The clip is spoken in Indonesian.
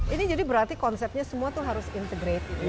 ini jadi berarti konsepnya semua itu harus integratif ya